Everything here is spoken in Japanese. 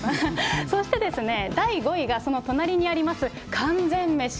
そして、第５位がその隣にあります、完全メシ。